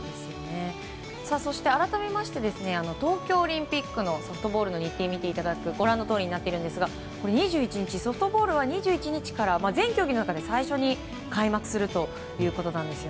そして改めまして東京オリンピックのソフトボールの日程を見ていただくとソフトボールは２１日から全競技の中で最初に開幕するということです。